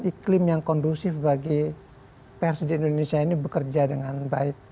iklim yang kondusif bagi pers di indonesia ini bekerja dengan baik